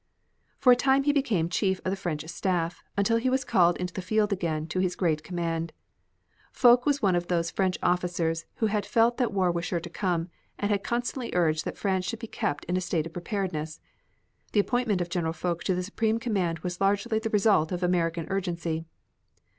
For a time he became Chief of the French Staff, until he was called into the field again to his great command. Foch was one of those French officers who had felt that war was sure to come, and had constantly urged that France should be kept in a state of preparedness. The appointment of General Foch to the Supreme Command was largely the result of American urgency.